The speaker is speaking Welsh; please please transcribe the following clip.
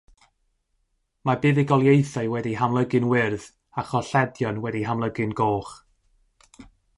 Mae buddugoliaethau wedi'u hamlygu'n wyrdd, a cholledion wedi'u hamlygu'n goch.